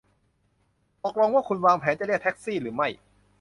ตกลงว่าคุณวางแผนจะเรียกแท็กซี่หรือไม่